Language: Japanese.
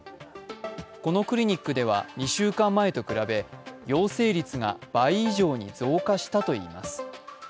このクリニックでは２週間前と比べ陽性率が倍以上に増加したといいます。